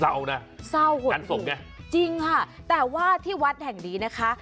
เศร้าค่ะงานศพไงจริงค่ะแต่ว่าที่วัดแห่งนี้นะคะ